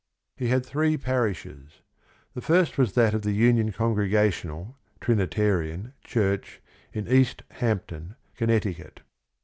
He had three parishes. The first was that of the Union Congregational (Trinitarian) Church in East Hampton, Connecticut.